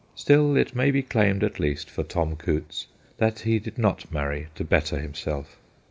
Still it may be claimed at least for Tom Coutts that he did not marry to better himself.